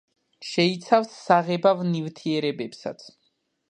შეიცავს საღებავ ნივთიერებებსაც.